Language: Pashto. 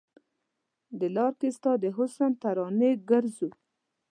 د لار کې ستا د حسن ترانې ګرځو